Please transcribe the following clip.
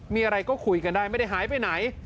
มีอะไรก็คุยกันได้ไม่ได้หายไปไหน